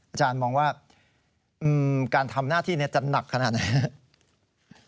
อาจารย์มองว่าการทำหน้าที่นี้จะหนักขนาดไหนครับ